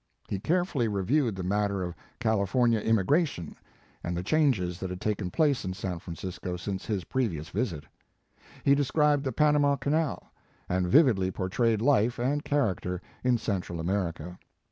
He carefully reviewed the matter of California immigration, and the changes that had taken place in San Fran cisco since his previous visit. He de scribed the Panama Canal, and vividly portrayed life and character in Central America.